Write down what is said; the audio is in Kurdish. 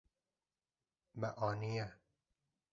Me aniye.